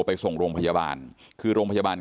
แล้วก็ช่วยกันนำนายธีรวรรษส่งโรงพยาบาล